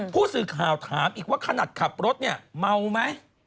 ผู้สื่อข่าวถามอีกว่าขนาดขับรถเนี่ยเมาไหม